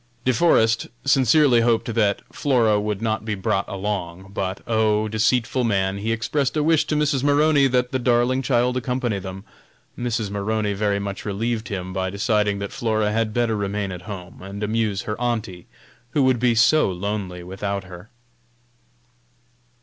De Forest sincerely hoped that Flora would not be brought along, but, oh! deceitful man, he expressed a wish to Mrs. Maroney that the darling child accompany them. Mrs. Maroney very much relieved him by deciding that Flora had better remain at home and amuse her auntie, who would be so lonely without her!